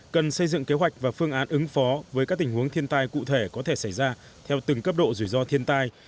cần xây dựng kế hoạch và phương án ứng phó với các tình huống thiên tai cụ thể có thể xảy ra theo từng cấp độ rủi ro thiên tai